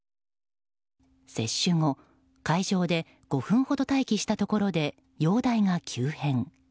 接種後、会場で５分ほど待機したところで容体が急変。